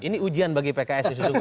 ini ujian bagi pks ya sejujurnya